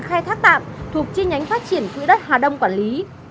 khai thác tạm thuộc chi nhánh phát triển quỹ đất hà đông quản lý